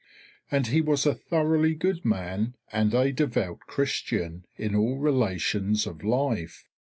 And he was a thoroughly good man and a devout Christian in all relations of life.